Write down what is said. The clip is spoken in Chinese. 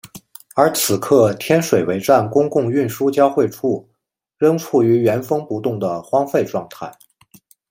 而此刻天水围站公共运输交汇处仍处于原封不动的荒废状态。